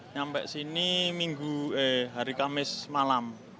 sampai sini hari kamis malam